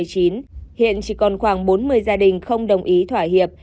hiện chỉ còn khoảng bốn mươi gia đình không đồng ý thỏa hiệp